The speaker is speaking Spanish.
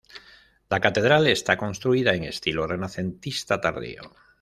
La Catedral está construida en estilo renacentista tardío.